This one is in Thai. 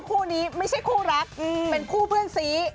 คู่นี้ไม่ใช่คู่รักเป็นคู่เพื่อนซี